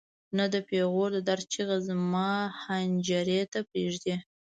نه د پېغور د درد چیغه زما حنجرې ته پرېږدي.